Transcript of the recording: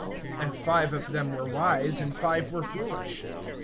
(2)And five of them were wise, and five foolish.